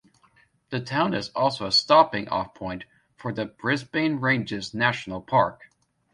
The town is also a stopping off point for the Brisbane Ranges National Park.